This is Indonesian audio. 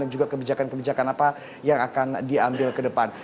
dan juga kebijakan kebijakan apa yang akan diambil ke depan